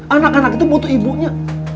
anak anak itu butuh ibunya